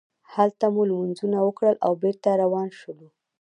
هلته مو لمونځونه وکړل او بېرته روان شولو.